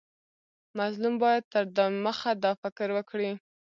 مظلوم باید تر دمخه دا فکر وکړي.